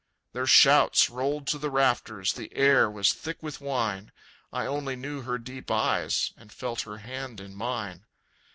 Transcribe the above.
Their shouts rolled to the rafters, The air was thick with wine. _I only knew her deep eyes, And felt her hand in mine.